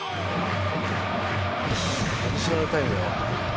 アディショナルタイムだよ。